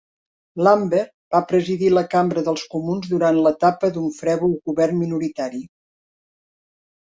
Lambert va presidir la Cambra dels Comuns durant l'etapa d'un frèvol govern minoritari.